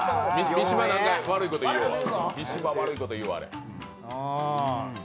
三島なんか悪いこと言うわあれ。